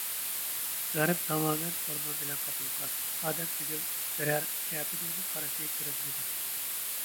غەرب تامامەن ئورمان بىلەن قاپلانغان، ئادەم تۈگۈل، بىرەر كەپىنىڭمۇ قارىسى كۆرۈنمىدى.